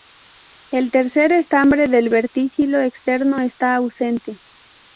El tercer estambre del verticilo externo está ausente.